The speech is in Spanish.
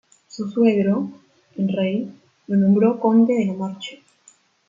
Su suegro, el rey, lo nombró conde de La Marche.